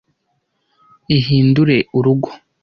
Ihindure urugo.